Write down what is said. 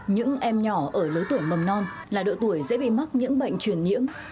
những em nhỏ ở lứa tuổi mầm non là độ tuổi dễ bị mắc những bệnh truyền nhiễm